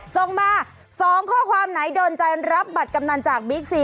ส่งมา๒ข้อความไหนโดนใจรับบัตรกำนันจากบิ๊กซี